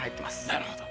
なるほど。